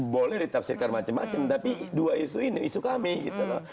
boleh ditafsirkan macam macam tapi dua isu ini isu kami gitu loh